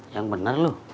yang bener lu